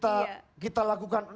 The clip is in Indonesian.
tapi sekarang kita lakukan